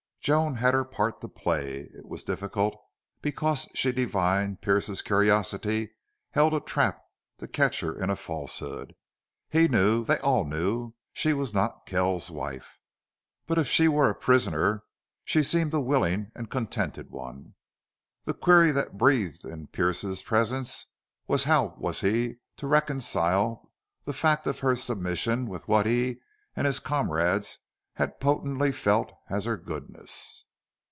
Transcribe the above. Joan had her part to play. It was difficult, because she divined Pearce's curiosity held a trap to catch her in a falsehood. He knew they all knew she was not Kells's wife. But if she were a prisoner she seemed a willing and contented one. The query that breathed in Pearce's presence was how was he to reconcile the fact of her submission with what he and his comrades had potently felt as her goodness?